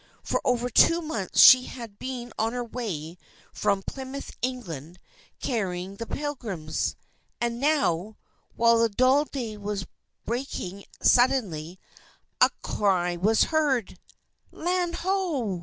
For over two months she had been on her way from Plymouth, England, carrying the Pilgrims. And, now, while the dull day was breaking, suddenly a cry was heard: "Land Ho!"